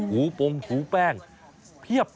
หูปงถูแป้งเพียบ